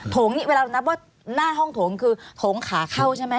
โงนี่เวลาเรานับว่าหน้าห้องโถงคือโถงขาเข้าใช่ไหม